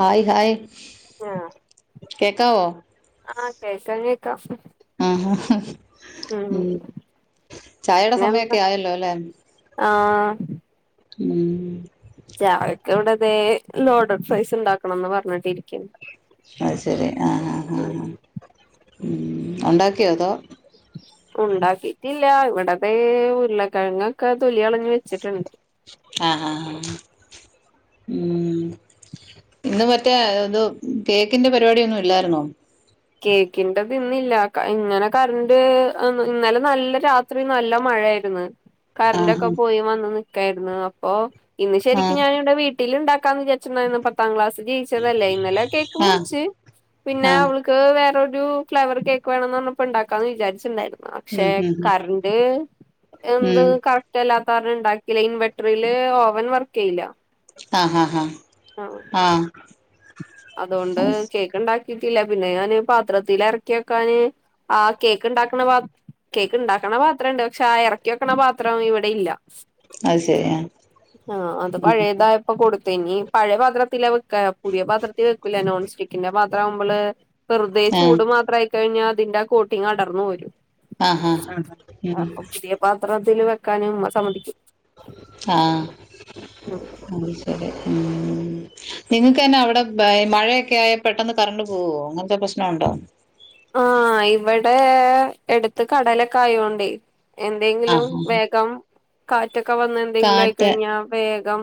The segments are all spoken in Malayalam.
ഹായ് ഹായ് ആഹ് കേൾക്കാ വോ ആഹ് കേൾക്കാം കേൾക്കാ ആഹ ആ ഉ ചായയുടെ പിന്നെന്താ സമയൊക്കെ ആയല്ലോ അല്ലെ ആഹ് ഉം ചായക്ക് ഇവിടതേ ലോഡഡ് ഫ്രൈസ് ഉണ്ടാക്കണംന്ന് പറഞ്ഞിട്ടിരിക്കണ്ട് അത് ശരി ആ ഹ ഹ ഹ ഉണ്ടാക്കിയോ അതോ ഉണ്ടാക്കിട്ടില്ല ഇവിടത്തെ ഉരുളക്കിഴങ്ങൊക്കെ തൊലി കളഞ്ഞ് വെച്ചിട്ടുണ്ട് ആഹ ആ ഹാ ഉം ഇന്ന് മറ്റേ ഇത് കേക്കിന്റെ പരിപാടിയൊന്നും ഇല്ലായിരുന്നോ കേക്കിൻ്റെത് ഇന്നില്ല ഇങ്ങനെ കറൻ്റ് ഇന്നലെ നല്ല രാ ത്രി നല്ല മഴ ആയിരുന്നു കറൻ്റൊക്കെ ആഹ് പോയി വന്ന് നിക്കായിരുന്നു അപ്പൊ ഇന്ന് ശരിക്കും ആഹ് ഞാൻ ഇവിടെ വീട്ടിൽ ട്ടിൽ ഉണ്ടാക്കാന്ന് വിചാരിച്ച് ഇ പത്താം ക്ലാസ് ജയിച്ചതല്ലേ ഇന്നലെ കേക്ക് ആഹ് മുറിച്ച് പിന്നെ ആഹ് അവ ക്ക് വേറൊരു ഫ്ലവർ കേക്ക് വേണംന്ന് പറഞ്ഞപ്പോ ഉണ്ടാക്കാന്ന് വിചാരിച്ചുണ്ടായിരുന്നു ഉം പക്ഷെ ഉം കറന്റ് എന്ത് ഉം ല്ലാത്തവരു ഉണ്ടാക്കില്ല ഇൻവെർട്ടറില് ഓവൻ വർക്ക് ചെയ്യില്ല ആഹ് ഹാ ഹാ ആ ആഹ് അതുകൊണ്ട് ആഹ് കേക്ക് ഉണ്ടാക്കിട്ടില്ല പിന്നെ ഞാന് പാത്രത്തി ഇറക്കി വക്കാന് ആ കേക്ക് ഉണ്ടാക്കണ പാ കേക്ക് ഉണ്ടാക്കണ പാത്രം ഉണ്ട് പക്ഷെ ആ ഇറക്കി വെക്കണ പാത്രം ഇവിടെ ഇല്ല അത് ശരി ആഹ് ആഹ അത് ഉം പഴയതാ ഇപ്പൊ കൊട്ത്ത് ഇനി പഴയ പാത്രത്തിലാ വെക്ക പുതിയ പാത്രത്തിൽ വെക്കൂല നോൺ സ്റ്റിക്കിന്റെ പാത്ര മ്മള്. വെറുതെ ആഹ് ചൂട് മാത്രമായിക്കഴിഞ്ഞാ അതിന്റെ ആ കോട്ടിങ് അടർന്നു പോരും. ആഹ് ഉം അപ്പൊ പുതിയ പാത്രത്തില് വെക്കാനുംമ്മ സമ്മതിക്കോ. ആഹ്, അഹ് ശെരി. നിങ്ങക്കെന്ന അവിടെ വെ മഴയൊക്കെ ആയ പെട്ടെന്ന് കറണ്ട് പോവോ അങ്ങനത്തെ പ്രശ്നൊണ്ടോ. ആഹ് ഇവിടെ എടുത്ത് കടലൊക്കെ ആയോണ്ടേ. എന്തെങ്കിലും ആഹ് ആഹ്. വേഗം കാറ്റൊക്കെ വന്ന് എന്തെങ്കിലും കാറ്റ് ആയിക്കഴിഞ്ഞാ വേഗം.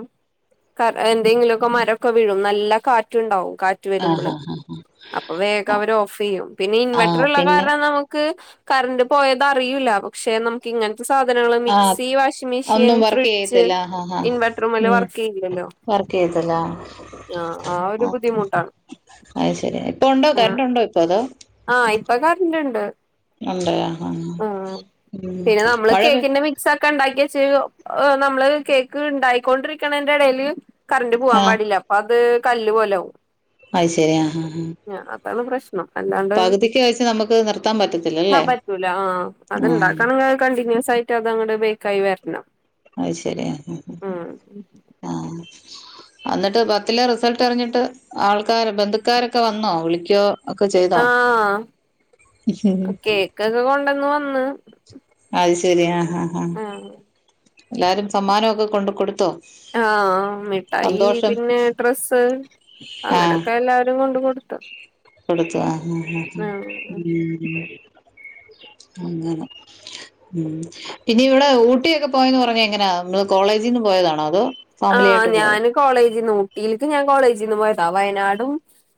കാ എന്തെങ്കിലൊക്കെ മരൊക്കെ വീഴും നല്ല കാറ്റുണ്ടാവും കാ റ്റ് ആഹ് വരുമ്പള് ആഹ് ആഹ് അപ്പൊ വേഗം ആഹ്. അവര് ഓഫ് ചെയ്യും. ആഹ് ഇൻവെർട്ടറുള്ള പിന്നെ കാരണം നമുക്ക് കറണ്ട്പോയത് അറിയൂല്ല പക്ഷെ നമുക്ക് ഇങ്ങന ത്തെ സാധനങ്ങള് ആഹ് മിക്സി, വാഷിംഗ് മെഷീൻ, ഒന്നും വർക്ക് ഫ്രിഡ്ജ് ചെയ്യത്തില്ല. ഇൻവെട്ടറൂമ്മല് വർക്കീയ്യൂലല്ലോ. വർക്കെയ്യത്തില്ലാ ആഹ്. ആഹ് ആ ഒരു ബുദ്ധിമുട്ടാണ്. അഹ് ശെരി ഇപ്പ ഉണ്ടോ ആഹ് കറണ്ട് ഉണ്ടോ ഇപ്പ അതോ. ആഹ് ഇപ്പൊ കറന്റ്ണ്ട്. ഉണ്ടോ ആഹ് ഉം മഴപെ സൊക്കെ ണ്ടാക്കെച്ച് നമ്മള് കേക്ക് ണ്ടാക്കിക്കൊണ്ടിരിക്കണേന്റെ എടേല്. കറന്റ് പൂവാം ആഹ് പാടില്ല അപ്പത് കല്ല് പോലാവും. അഹ് ശെരി ആഹ് ആഹ് ആഹ് അതാണ് പ്രശ്നം. അല്ലാണ്ട് പകുതിക്ക് വെച്ച് നമുക്ക് നിർത്താൻ ഹാ പറ്റത്തില്ലല്ലേ? പറ്റൂല ആഹ് അത്ണ്ടാക്ക ആഹ് ക്കാണെങ്കി അത് കണ്ടിന്യൂസായിട്ട് അത് അങ്ങട് ബേക്കായി വെര്നം. അഹ് ശെരി ആഹ്. അന്നിട്ട് പത്തിലെ റിസൾട്ടറിഞ്ഞിട്ട് ആൾക്കാര് ബന്ധുക്കാരൊക്കെ വന്നോ വിളിക്കോ. ഒക്കെ ചെയ്തോ. ആഹ് കേ ക്കൊക്കെ കൊണ്ടന്ന് വന്ന്. അഹ് ശെരി ആ ഹാ ഹാ ആഹ് എല്ലാരും സമ്മാനൊക്കെ കൊണ്ട് കൊടുത്തോ. ആഹ് മിഠായി സന്തോഷം പിന്നെ ഡ്രസ്സ്. അങ്ങനൊക്കെ എല്ലാരും കൊണ്ട് കൊടുത്ത്‌. കൊടുത്താ ഉം, ഉം, ഹും അങ്ങനെ. ഉം പിന്നെ ഇവിടെ ഊട്ടിയൊക്കെ പോയെന്ന് പറഞ്ഞെങ്ങനാ ങ്ങള് കോളേജീന്ന് പോയതാണോ അതോ. ഫാമിലി ആഹ് ആയിട്ട് പോയോ ഞാന് കോളേജിന്ന് ഊട്ടീൽക്ക് ഞാൻ കോളേജിന്ന് പോയതാ വയനാടും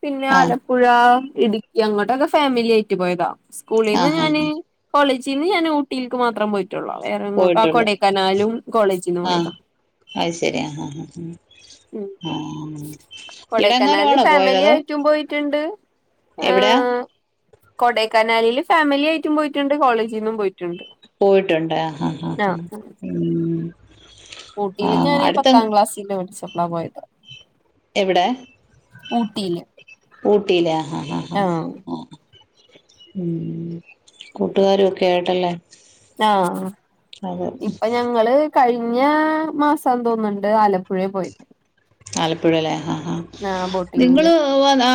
പിന്നെ ആ ആലപു പുഴാ ഇടുക്കി അങ്ങോട്ടൊക്കെ ഫാമിലി ആയിറ്റ് പോയതാ ആ സ്കൂളീന്ന് ഹാ ഞാന്. ഹാ കോളേജീന്ന് ഞാന് ഊട്ടീൽക്ക് മാത്രം പോയിട്ടൊള്ളൂ വേറെങ്ങോട്ടും ആഹ് പോയിട്ടുള്ളു കൊടേക്കനാലും കോളേജീന്ന് പോയതാ. അഹ് ശെരി ആഹ്, ഹ, ഉം ഹാ ഇടെങ്ങാനു ആണോ പോയത് അതോ. പോയിറ്റ്ണ്ട്. എവിടാ. കൊടേക്കനാലിൽ ഫാമിലി ആയിട്ടും പോയിറ്റ്ണ്ട് കോളേജിന്നും പോയി. പോയിട്ടുണ്ടാ ആഹ്, ആഹ് ഉം. ആ ഊട്ടീൽക്ക് ഞാന് അടുത്ത പത്താം ക്ലാസ്സീന് പഠിച്ചപ്പളാ പോയത്. എവിടെ. ഊട്ടീല്. ഊട്ടീലാ ആഹ് ആഹ്. ഉം കൂട്ടുകാരൊക്കെ ആയിട്ടല്ലേ. ആഹ് അതെ ഇപ്പൊ ഞങ്ങള്. കഴിഞ്ഞാ മാസാന്ന് തോന്നുന്നുണ്ട് ആലപ്പുഴപോയി. ആലപ്പുഴല്ലേ ഹാ, ഹാ. ആഹ് ബോട്ടിങ്ങില്. പൂവാനാ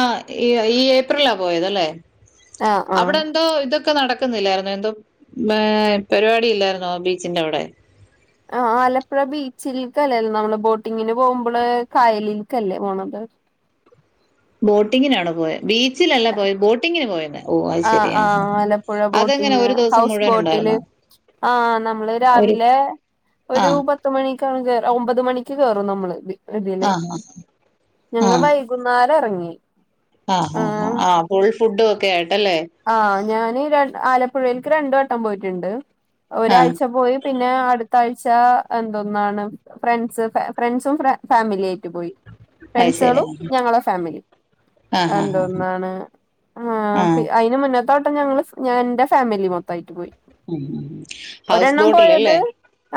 ഈ ഏപ്രിലാ പോയതല്ലെ ആഹ് ആഹ് അവിടെന്തോ ഇതൊ ക്കെ നടക്കുന്നില്ലായിരുന്നോ ഹ് എന്തോ പരിപാടി ഇല്ലായിരുന്നോ ബീച്ചിന്റെവടെ. ആഹ് ആലപ്പുഴ ബീച്ചിൽക്കല്ലേലൊ നമ്മള് ബോട്ടിങ്ങിന് പോകുമ്പള് കായലിൽക്കല്ലേ പോണത് ബോട്ടിങ്ങിനാണോ പോയത് ബീച്ചിലല്ല പോയത് ബോട്ടിങ്ങിന് പോയത് ഓ അയ് ശ അഹ് ആഹ് ആലപ്പുഴ ബോട്ടിങ് ദിവസം ഹൗസ് മുഴുവൻ ബോട്ടില് ഉണ്ടായിരുന്നോ ആഹ് നമ്മള് ഒരു രാവിലെ ആ ഒരു പത്ത് മണിക്കാണ് കേറാ ഒമ്പത് മണിയ്ക്ക് കേറും നമ്മള് ഇതില്. ആ ആ ആ പിന്നെ വൈകുന്നേരം ഒറങ്ങി. ആഹ് അഹ് ആഹ് ആഹ് ഫുൾ ഫുഡൊക്കെ ആയിട്ടല്ലെ. ആഹ് ഞാന് രൺ ആലപ്പുഴൽക്ക് രണ്ട് വട്ടം പോയിട്ട്ണ്ട്. ആഹ് ഒരാഴ്ച പോയി പിന്നെ അട്ത്ത ആഴ്ച എന്തൊന്നാണ് ഫ്രണ്ട്സ് ഫെ ഫ്രണ്ട്സും ഫ്രെ ഫാമിലിയായിട്ട് പോയി. അത് ശരി ഫ്രണ്ട്സേളും ആഹ് ഞങ്ങളെ ഫാമിലിം. ആഹ് ആഹ് എന്തോന്നാണ് ആഹ് അയ്ന് മുന്നത്തെ വട്ടം ഞങ്ങള് ഫ് ഞാൻന്റെ ഫാമിലി മൊത്തായിട്ട് പോയി. ഉം ഉം ഉം. ഹൗസ് ഒരെണ്ണം പോയത് ബോട്ടിലല്ലേ?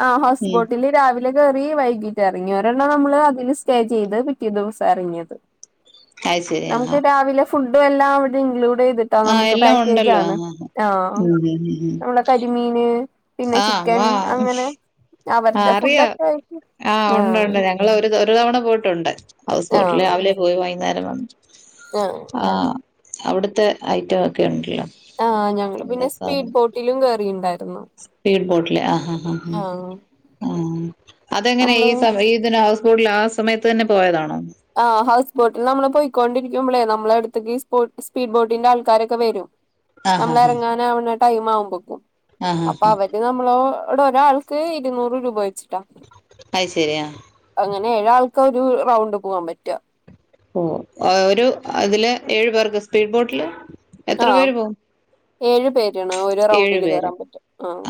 ആഹ് ഹൗസ് ഉം ബോട്ടില്. രാവിലെ കേറി വൈകീട്ട് എറങ്ങി. ഒരെണ്ണം നമ്മള് അതില് സ്റ്റേ ചെയ്ത് പിറ്റേ ദിവസാ എറങ്ങിയത്. അത് ശരി ആഹ് നമുക്ക് രാവിലെ ഫുഡും എല്ലാം അവിടെ ഇൻക്ലൂഡെയ്‌ത് ട്ടാ ആഹ് നമുക്ക് എല്ലാം ഉണ്ടല്ലോ പാക്കേജാണ്. ആഹ് ആഹ് ഉം ഉം ഉം ഉം നമ്മളെ കരിമീന് പിന്നെ ആഹ് അമ്മ ചിക്കൻ അങ്ങനെ ആഹ് അവര്ടെ അറിയാം ഫുഡൊക്കെ ആയിട്ട് ഉണ്ട് ആഹ് ഉണ്ട് ഞങ്ങള് ഒര് ഒരു തവണ പോയിട്ടൊണ്ട് ഹൗസ് ബോട്ടില്. രാവിലെ പോവും വൈന്നേരം വന്ന്. ഓഹ് ഓഹ് ആഹ് അവിട്ത്തെ ഐറ്റം ഒക്കെ ണ്ടല്ലൊ. ആഹ് ഞങ്ങള് പിന്നെ സ്പീഡ് ബോട്ടിലും കേറീണ്ടായിര്ന്നു. സ്പീഡ് ബോട്ട്ല് ആഹ് ആഹ് ആഹ് ആഹ് ആഹ് അതെങ്ങനേയ് ഈ നമ്മള് സമ ഈതിന് ഹൗസ് ബോട്ട്ല് ആ സമയത്ത് തന്നെ പോയതാണൊ? ആഹ് ഹൗസ് ബോട്ട്ൽ. നമ്മള് പോയിക്കോണ്ടിരിക്കുമ്പളെ നമ്മളെ അട്ത്ത്ക്കീസ്പോ സ്പീഡ് ബോട്ടിന്റെ ആൾക്കാരൊക്കെ വരും. ആഹ് ഹാ നമ്മള് ഹാ എറങ്ങാനാവണ ടൈ മാവുമ്പക്കും. ആഹ് അപ്പ ഹാ അവര് ര് നമ്മളോടൊരാൾക്ക് ഇരുന്നൂറ് രൂപ വെച്ചിട്ടാ. അയ് ശരി അഹ് അങ്ങനെ ഏഴാൾക്കൊരു റൗണ്ട് പോവാം പറ്റാ. ഓഹ്. ഏഹ് ഒരു അതില് ഏഴു പേർക്ക്. സ്പീഡ് ബോട്ട്ല് എത്ര പേര് പോവും? ഏഴ് പേരാണ് ഓരോ ഏഴു റൗണ്ട്ല് പേര് കേറാം പറ്റാ ആഹ്.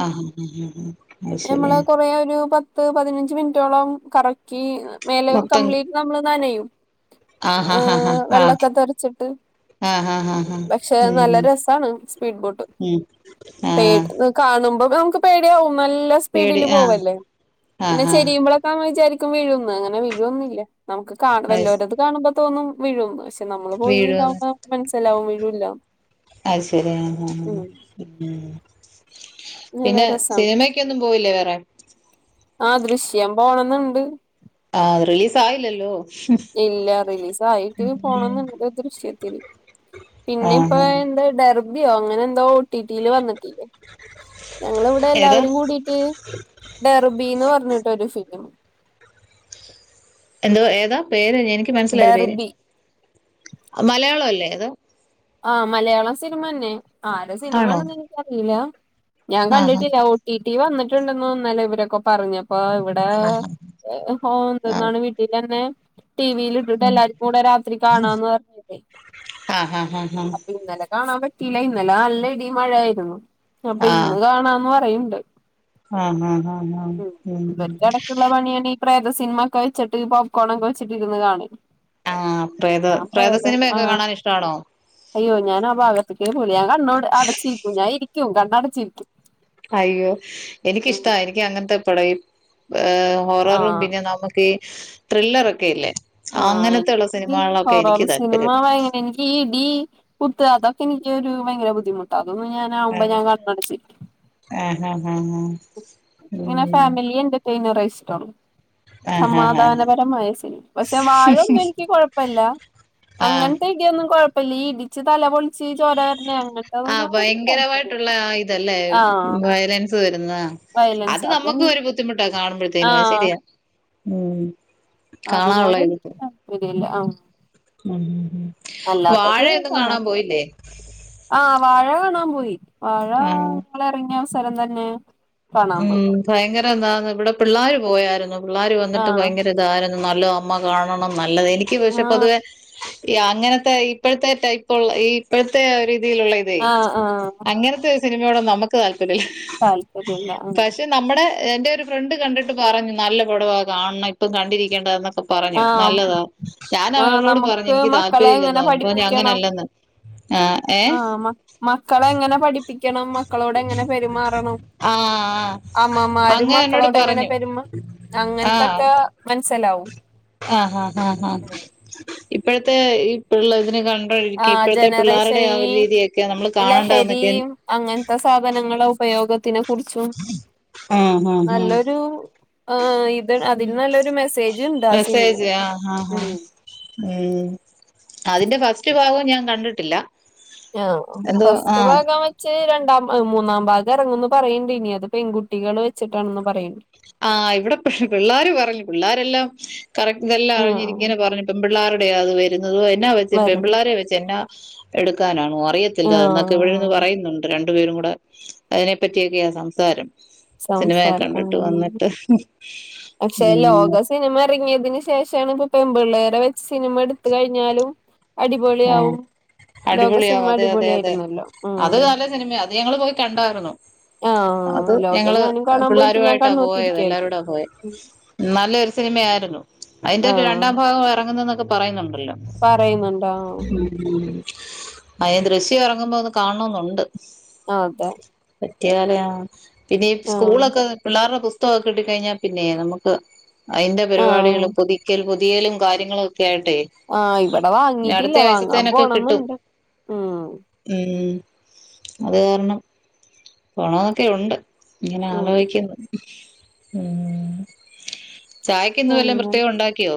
അത് ശരി പിന്നെമ്മള് കുറേ ഒരു പ പത്ത്, പതിനഞ്ച് മിൻറ്റോളം കറക്കി മേലെ മൊത്തം കംപ്ലീറ്റ് നമ്മള് നനയും. ആഹ് ആഹ് ആഹ് ഏഹ് വെള്ളൊക്കെ ആഹ് തെർച്ചിട്ട്. ആഹ് ആഹ് ആഹ് ആഹ് പക്ഷെ നല്ല ഉം രസാണ് സ്പീഡ് ബോട്ട്. ഉം പേടി ആഹ് കാണുമ്പം നമുക്ക് പേടിയാവും. നല്ല പേടി സ്പീഡ്ല് ആഹ് പോവല്ലെ. പിന്നെ ആഹ് ആഹ് ചെരിയുമ്പളൊ നമ്മള് വിചാരിക്കും വീഴൂന്ന് പ്പൊ പ്പൊ അങ്ങനെ ചെരിക്കുമ്പ വീഴൊ ന്ന്. അങ്ങനെ വീഴൊന്ന്ല്ല. നമുക്ക് കാ അത് വല്ലോര്ടത് കാണുമ്പൊ തോന്നും വിഴൂന്ന്. പക്ഷെ പ്പം നമ്മള് പോയി വീഴുവെന്ന് താവ്മ്പം മൻസ്സിലാവും വീഴൂല്ലാന്ന്. അയ് ശരി ആഹ് അഹ് അഹ്. പിന്നേ? നല്ല പിന്നെ രസാണ് സിനിമെക്കൊന്നും പോവില്ലെ വേറെ. ആഹ് ദൃശ്യം പോണംന്ന്ണ്ട്. ആഹ്. റിലീസായില്ലല്ലോ? ഇല്ല റിലീസായിട്ട് പോണംന്ന്ണ്ട് ദൃശ്യത്തിന്. പിന്നെ പ്പോ ആഹ് ന്താ ഡർഭിയൊ അങ്ങനെ എന്തോ ടി ടി ല് വന്നിട്ടില്ലെ. ഞങ്ങള് വ്ടെ ഏതാ എല്ലാവരും കൂടിട്ട് ഡെർബീന്ന് പർഞ്ഞിട്ടൊര് ഫിലിമ് എന്തൊ ഏതാ പേര് എനിക്ക് മൻസ്സിലായില്ല പേര്. ഡെർബി മലയാളം അല്ലെ അതൊ? ആഹ് മലയാളം സിനിമന്നെ. ആരെ ആണോ സിനിമാണെന്ന് എനിയ്ക്കറീലാ. ഞാൻ ആ ഹാ കണ്ടിട്ടില്ല. ഒ ടി ടി വന്ന്ട്ടുണ്ടെന്ന് ഇന്നലെ ഇവരൊക്കെ പറഞ്ഞപ്പോ ഇവടാ ആ ഹാ ഹോ ആ എന്തെന്നാണ് വി വീട്ടിലെന്നെ ടീ വില് ഇട്ടിട്ട് ഉം. എല്ലാർക്കൂടെ രാത്രി കാണാന്ന് പർഞ്ഞിട്ടെ ആഹ് ഹ ഹ ഇന്നലെ കാണാൻ പറ്റിയില്ല ഇന്നലെ നല്ല ഇടിയും മഴയായിരുന്നു അപ്പൊയിന്ന് കാണാന്ന് പറയ്ണ്ട് ആഹ് ഹഹ് ആഹ് ഹഹ് ഉം ള്ള പണിയാണെ ഈ പ്രേത സിനമക്കെ വെച്ചിട്ട് പോപ്കോണൊക്കെ വെച്ചട്ടിരുന്ന് കാണല് ആഹ് പ്രേത ഞാൻ പ്രേത പ്രേതം സിനിമയൊക്കെ ആഹ് കാണാനിഷ്ടവാണോ? അയ്യോ ഞാനാ ഭാഗത്ത്ക്കേ പോവില്ല ഞാൻ കണ്ണടച്ചിരിക്കും ഞാ ഇരിക്കും കണ്ണടച്ചിരിക്കും അയ്യോ ഉം എനിക്കിഷ്ടാ എനിക്ക് അങ്ങനത്തെ പടം ഹൊററും, ആഹ് പിന്നെ നമു ക്ക് ത്രില്ലറൊക്കെയില്ലേ? ങ്ങാ, എനിക്ക് ഈ ഹൊററ് സിനിമ താല്പര്യം ഭയങ്കര ഇൻക്കീ ഇടി, കുത്ത്, അതൊക്കെ എനിക്ക് ഒരു ഭയങ്കര ബുദ്ധിമുട്ടാ അതൊന്നും ഞാനാവുമ്പോ ഞാ കണ്ണടച്ചിരിക്കും ആഹ് ആഹ് ആഹ് ആ ഇങ്ങനെ ഉം. ഫാമിലി എന്റർടൈനറേയിഷ്ടൊള്ളു ആ ഹാ ഹാ ഹാ സമാധാനപരമായ സിനിമ പക്ഷെ വാഴൊന്നും എനിക്ക് കൊഴപ്പല്ല ആ അങ്ങനത്തെ ഇടിയൊന്നും കൊഴപ്പല്ല ഈ ഇടിച്ച് തല പൊളി ആ താല്പര്യല്ല ഭയങ്കരവായിട്ടുള്ള ആ ഇതല്ലേ? ആഹ് വയലൻസ് വരുന്ന അത് നമ്മക്കും ഒരു ബുദ്ധിമുട്ടാ കാണുമ്പഴത്തേനും ആഹ് അത്ശരിയാ ഉം കാണാനുള്ള ഇത് അതിനോടെനിക്ക് താൽപര്യല്ല ആഹ് ഉം ഉം അല്ലാത്തത് വാഴയൊന്നും കാണാൻ കാണാറുണ്ട് പോയില്ലേ? ആഹ് വാഴ കാണാം പോയി വാഴ ആഹ് ഞ്ഞങ്ങളെറങ്ങിയ അവസരം തന്നെ കാണാൻ പോയി ഉം ഭയങ്കരെതാന്ന് ഇവടെ പിള്ളേര് പോയാരുന്നു പിള്ളേര് വന്നിട്ട് ആഹ് ഭയങ്കരെതാ യിരുന്നു നല്ലതാ അമ്മ കാണണം നല്ലത് എനിക്ക് പക്ഷെ ആഹ് പൊതുവെ അങ്ങനത്തെ ഇപ്പഴത്തെ ടൈപ്പൊളള ഈ ഇപ്പഴത്തെ രീതിയിലുള്ളയിതേ ആഹ് ആഹ് അങ്ങനത്തെ സിനിമയോടൊന്നും നമ്മക്ക് താൽപര്യല്ല താൽപര്യല്ല ഉം പക്ഷേ നമ്മടെ എന്റെയൊരു ഫ്രണ്ട് കണ്ടിട്ട് പറഞ്ഞു നല്ല പടവാ കാണണം ഇപ്പം കണ്ടിരിക്കേണ്ടതായെന്നൊക്കെ പറ പറഞ്ഞു ആഹ് നല്ലതാ ആഹ് ഞാനവളോട് പറഞ്ഞു നമുക്ക് എനിക്ക് മക്കളെ താല്പര്യംയില്ലെന്ന് എങ്ങനെ പറഞ്ഞു അപ്പർഞ്ഞു പഠിപ്പിക്കണം അങ്ങനല്ലെന്ന് ആഹ് എ ആഹ് മക്ക മക്കളെങ്ങനെ പഠിപ്പിക്കണം, മക്കളോടെങ്ങനെ പെരുമാറണം ആഹ് അമ്മമാര് മക്കളോടെങ്ങനെ പെരുമ അങ്ങനത്തൊക്കെ മനസ്സിലാവും ആഹ് ആഹ് ആ ഹാ ഇപ്പഴത്തെ ഇപ്പള്ളതിനെ കാ ആഹ് ഇപ്പഴത്തെ ആ ജനറേഷൻ പിള്ളേരുടെ ആ ഒരു ഈ രീതിയൊക്കെ നമ്മള് കാണേണ്ടതായെന്നൊക്കെയ എ അങ്ങൻത്തെ സാധനങ്ങളുടെ ഉപയോഗത്തിനെ കുറിച്ചും ആഹ് ആഹ് നല്ലൊരു ആ ഇത് അതിൽ നല്ലൊരു മെസ്സേജ്ണ്ട് ആ സിനിമക്ക് ആഹ് ആഹ് ഹാ ഉം അതിന്റെ ഫസ്റ്റ് ഭാഗവും ഞാൻ കണ്ടിട്ടില്ല ങ്ങാ എന്തോ ഫസ്റ്റ് ആഹ് ഭാഗം വെ ച്ച് രണ്ടാം ഭാഗം മൂന്നാം ഭാഗം എറങ്ങുന്ന് പറയ്ണ്ടിനി അത് പെൺകുട്ടികളെ വെച്ചിട്ടാണന്ന് പറയ്ണ്ട് ആ് ഇവടെ പി പിള്ളേര് പറഞ്ഞു പിള്ളേരെല്ലാം കറക്റ്റ്നെല്ലാം ആഹ് അറിഞ്ഞിയിങ്ങനെ പറഞ്ഞു പെം പിള്ളേരുടെയാ അത് വരുന്നത് എന്നാ വെച്ച് പെം വരും പിള്ളോരെ വെച്ച് യെന്നാ എടുക്കാനാണോ അറിയത്തില്ല എന്നൊക്കെ ഇവിടെയിരുന്ന് ആഹ് പറയുന്നുണ്ട് രണ്ടു പേരും കൂടെ അതിനെ പറ്റിയൊക്കെയാ സംസാരം സിനിമയൊക്കെ സംസാരം കണ്ടിട്ട് ആഹ് [inaudible] പക്ഷെ ഉം. ലോക സിനിമ ഇറങ്ങിയതിനന് ശേഷമാണ് ഇപ്പൊ പെൺമ്പിള്ളേരെ വെച്ച് സിനിമ എടുത്ത കഴിഞ്ഞാലും അടിപൊളി ആ ആവും അടിപൊളിയാവും അതെ അതെ അതെ അത് ഉം നല്ല സിനിമയ അത് ഞങ്ങള് പോയി കണ്ടായിരുന്നു അത് ആഹ് ലോക ഞങ്ങള് ഞാനും കാണാൻ പോയിട്ട് ഞാൻ പിള്ളാരുമായിട്ടാ പോയത് കണ്ണൂത്തിരിക്കായിരുന്നു എല്ലാരും ഉം നല്ലൊരു സിനിമയായിരുന്നു അതിന്റെ ആഹ് രണ്ടാം ഭാഗം ഇറങ്ങുന്നൊക്കെ പറയുന്നുണ്ടല്ലോ പറയുന്നുണ്ടോ. ആഹ് അയ്ന് ദൃശ്യം ഇറങ്ങുമ്പോ ഒന്ന് കാണണോന്നുണ്ട്. ആഹ് അതെ പറ്റിയാല ആഹ് പിന്നെ ആഹ് സ്കൂളൊക്കെ പിള്ളേരു പുസ്ത തൊക്കെ കിട്ടി കഴിഞ്ഞാൽ പിന്നെ നമുക്ക് അതിന്റെ ആഹ് പരിപാടികളും ക്കലും പൊതിയലും കാര്യങ്ങളൊക്കെ ആയിട്ട് ആഹ് ഇവിടെ വാങ്ങിട്ടില്ല വാങ്ങാൻ കിട്ടും പോണംന്നുണ്ട്. ഉം, അത് കാരണം. പോണന്നൊക്കെ ഉണ്ട് ഇങ്ങനെ ഉം ആലോയികുന്നു ഉം ചായക്കന്ന വല്ല അങ്ങനെ പ്രത്യേകം ഉണ്ടാക്കിയോ?